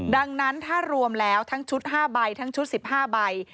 ดังนั้นถ้ารวมแล้วทั้งชุด๕ใบทั้งชุด๑๕ใบ